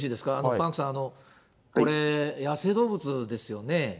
パンクさん、これ、野生動物ですよね。